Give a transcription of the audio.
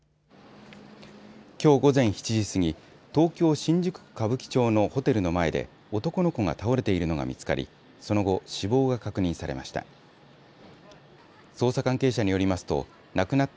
きょう午前７時すぎ東京、新宿区歌舞伎町のホテルの前で男の子が倒れているのが見つかりその後、死亡が確認されました。